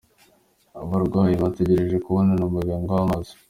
Abarwayi bategereje kubonana na muganga w’amaso.